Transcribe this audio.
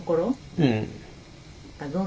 うん。